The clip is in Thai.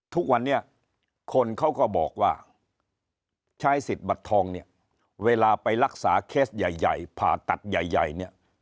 ทุกวันก็บอกว่าใช้สิทธิบัตรทองเวลาไปรักษาเคสใหญ่ผ่าตัดใหญ่